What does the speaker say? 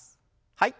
はい。